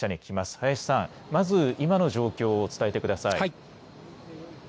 林さん、まず今の状況を伝えてください。